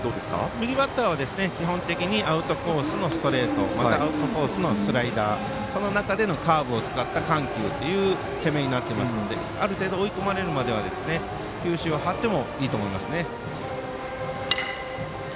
右バッターは基本的にアウトコースのストレートアウトコースのスライダーその中でのカーブを使った緩急という攻めになっているのである程度、追い込まれるまでは球種を張ってもいいと思います。